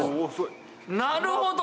なるほど！